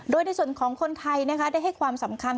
โดยในส่วนของคนไทยได้ให้ความสำคัญ